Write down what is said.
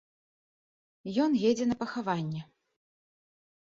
Ён едзе на пахаванне.